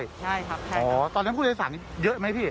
ใช่ครับใช่ครับอ๋อตอนนั้นผู้โดยสั่งเยอะไหมพี่